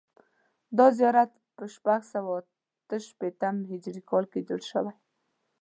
دا زیارت په شپږ سوه اته شپېتم هجري کال کې جوړ شوی.